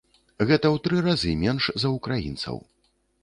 Гэта ў тры разы менш за ўкраінцаў.